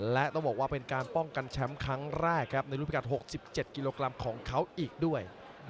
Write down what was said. และต้องบอกว่าเป็นการป้องกันแชมป์ครั้งแรกครับในรูปพิการ๖๗กิโลกรัมของเขาอีกด้วย